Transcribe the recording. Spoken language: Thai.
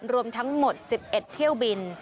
รวมทั้งหมด๑๑เที่ยวบิน